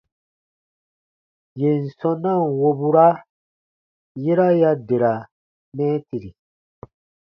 Yèn sɔ̃ na ǹ wobura, yera ya dera mɛɛtiri.